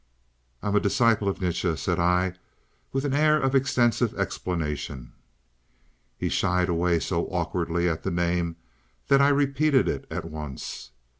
"I'm a disciple of Nietzsche," said I, with an air of extensive explanation. He shied away so awkwardly at the name that I repeated it at once.